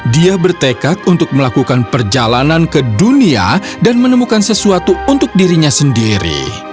dia bertekad untuk melakukan perjalanan ke dunia dan menemukan sesuatu untuk dirinya sendiri